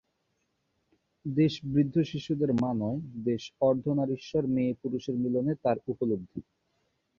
দেশ বৃদ্ধ শিশুদের মা নয়, দেশ অর্ধনারীশ্বর–মেয়ে-পুরুষের মিলনে তার উপলব্ধি।